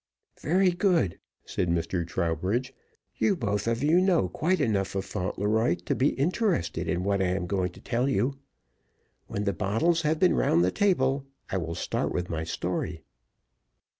"Very good," said Mr. Trowbridge. "You both of you know quite enough of Fauntleroy to be interested in what I am going to tell you. When the bottles have been round the table, I will start with my story."